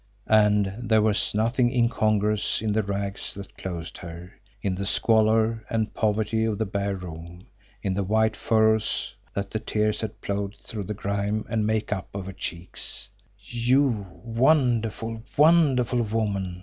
And there was nothing incongruous in the rags that clothed her, in the squalour and poverty of the bare room, in the white furrows that the tears had plowed through the grime and make up on her cheeks. "You wonderful, wonderful woman!"